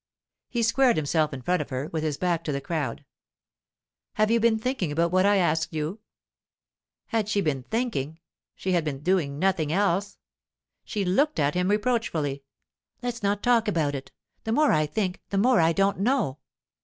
He squared himself in front of her, with his back to the crowd. 'Have you been thinking about what I asked you?' Had she been thinking! She had been doing nothing else. She looked at him reproachfully. 'Let's not talk about it. The more I think, the more I don't know.